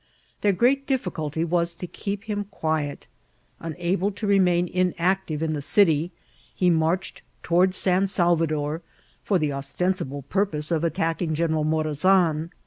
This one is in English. Their great difficulty was to keep him quiet. Unable to remain inaetiTe in the city, he march ed toward San Salvador, for the ostensible purpose of attacking General Morazan.